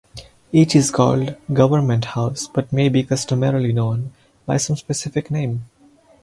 Each is called "Government House", but may be customarily known by some specific name.